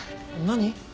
何？